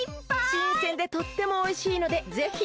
しんせんでとってもおいしいのでぜひ。